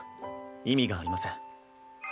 意味がありません。